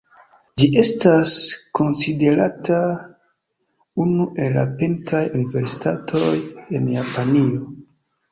Ĝi estas konsiderata unu el la pintaj universitatoj en Japanio.